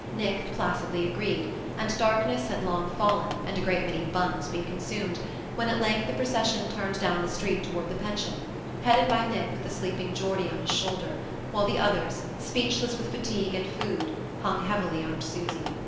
Nick placidly agreed, and darkness had long fallen, and a great many buns been consumed, when at length the procession turned down the street toward the pension, headed by Nick with the sleeping Geordie on his shoulder, while the others, speechless with fatigue and food, hung heavily on Susy.